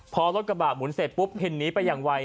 พอรถกระบะหมุนเสร็จปุ๊บเห็นหนีไปอย่างไว